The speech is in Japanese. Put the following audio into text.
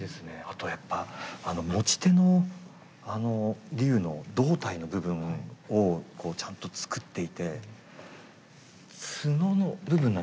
あとやっぱ持ち手の竜の胴体の部分をちゃんと作っていて角の部分なんでしょうか。